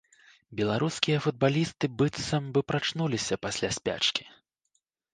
Беларускія футбалісты быццам бы прачнуліся пасля спячкі.